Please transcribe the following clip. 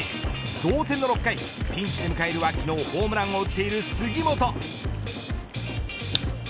同点の６回、ピンチで迎えるは昨日ホームランを打っている杉本。